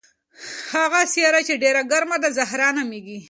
هغه سیاره چې ډېره ګرمه ده زهره نومیږي.